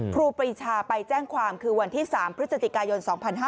ครูปรีชาไปแจ้งความคือวันที่๓พฤศจิกายน๒๕๕๙